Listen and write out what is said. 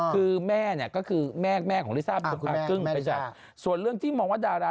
คือแม่เนี้ยก็คือแม่แม่ของลิซ่าอ่าคุณแม่แม่ลิซ่าส่วนเรื่องที่มองว่าดารา